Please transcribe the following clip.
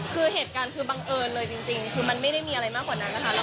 คือเหตุการณ์คือบังเอิญเลยจริงคือมันไม่ได้มีอะไรมากกว่านั้นนะคะ